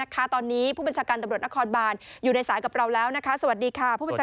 ค่ะตอนนี้ท่านอยู่ในพื้นที่ถูกไหมฮะ